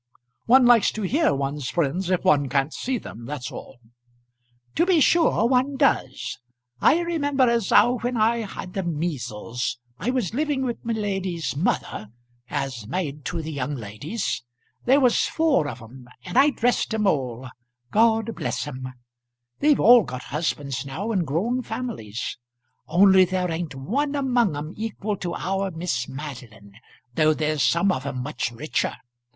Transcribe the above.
"One likes to hear one's friends if one can't see them; that's all." "To be sure one does. I remember as how when I had the measles I was living with my lady's mother, as maid to the young ladies. There was four of 'em, and I dressed 'em all God bless 'em. They've all got husbands now and grown families only there ain't one among 'em equal to our Miss Madeline, though there's some of 'em much richer.